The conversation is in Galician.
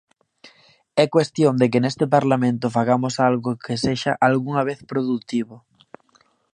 É cuestión de que neste Parlamento fagamos algo que sexa algunha vez produtivo.